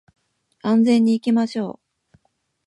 安全に行きましょう